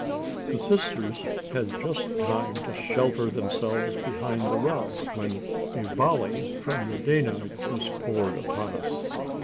The sisters had just time to shelter themselves behind the rocks when a volley from the Danites was poured upon us.